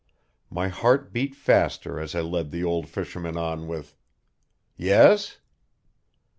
My heart beat faster as I led the old fisherman on with "Yes?"